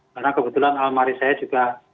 karena kebetulan almari saya juga